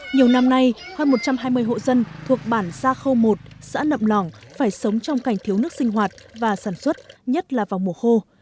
nhiều năm nay hơn một trăm hai mươi hộ dân thuộc bản gia khâu một xã nậm lỏng phải sống trong cảnh thiếu nước sinh hoạt và sản xuất nhất là vào mùa khô